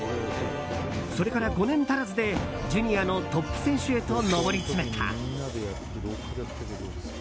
それから５年足らずでジュニアのトップ選手へと上り詰めた。